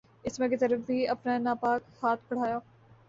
عصمت کی طرف بھی اپنا ناپاک ہاتھ بڑھایا